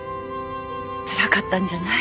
つらかったんじゃない？